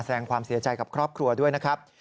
แสดงความเสียใจกับครอบครัวด้วยนะครับ